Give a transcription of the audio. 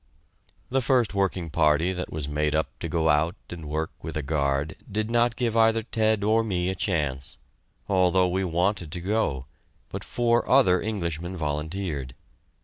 The first working party that was made up to go out and work with a guard did not give either Ted or me a chance, although we wanted to go, but four other Englishmen volunteered.